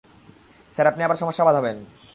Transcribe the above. Sir, আপনি আবার সমস্যা বাঁধাবেন!